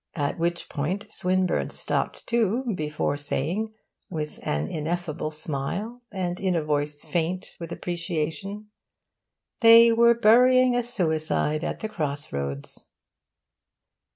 at which point Swinburne stopped too, before saying, with an ineffable smile and in a voice faint with appreciation, 'They were burying a suicide at the crossroads.